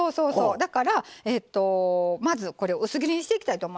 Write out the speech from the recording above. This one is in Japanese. だからまずこれを薄切りにしていきたいと思います。